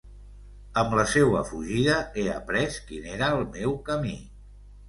Amb la seua fugida he aprés quin era el meu camí.